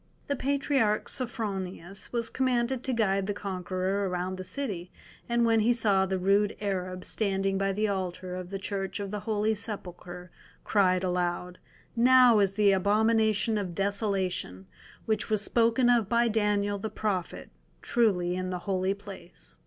The Patriarch Sophronius was commanded to guide the conqueror around the city, and when he saw the rude Arab standing by the altar of the Church of the Holy Sepulchre, cried aloud, "Now is the Abomination of Desolation, which was spoken of by Daniel the prophet, truly in the Holy Place."